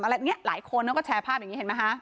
อะไรอย่างนี้หลายคนเขาก็แชร์ภาพอย่างนี้เห็นไหมคะ